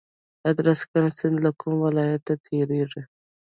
ادرسکن سیند له کوم ولایت تیریږي؟